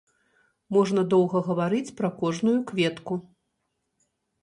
Можна доўга гаварыць пра кожную кветку.